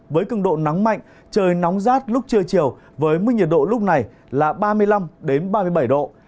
với cường độ nắng mạnh trời nóng rát lúc trưa chiều với mức nhiệt độ lúc này là ba mươi năm ba mươi bảy độ